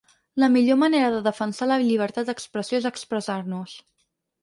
La millor manera de defensar la llibertat d’expressió és expressar-nos.